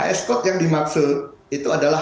hs code yang dimaksud itu adalah